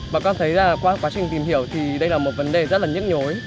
bọn con thấy là qua quá trình tìm hiểu thì đây là một vấn đề rất là nhức nhối